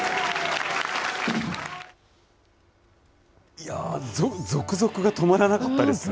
いやー、ぞくぞくが止まらなかったですね。